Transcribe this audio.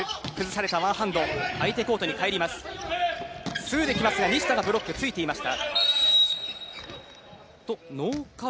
ツーで来ますが西田がついていました。